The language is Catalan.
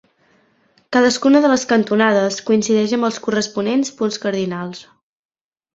Cadascuna de les cantonades coincideix amb els corresponents punts cardinals.